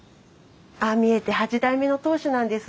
ああ見えて八代目の当主なんです。